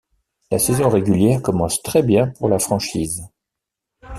La saison régulière commence très bien pour la franchise.